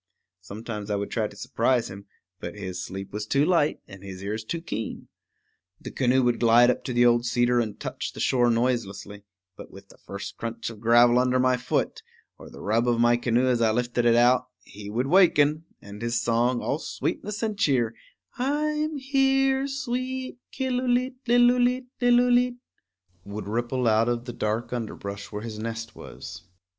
Sometimes I would try to surprise him; but his sleep was too light and his ears too keen. The canoe would glide up to the old cedar and touch the shore noiselessly; but with the first crunch of gravel under my foot, or the rub of my canoe as I lifted it out, he would waken; and his song, all sweetness and cheer, I'm here, sweet Killooleet lillooleet lillooleet, would ripple out of the dark underbrush where his nest was.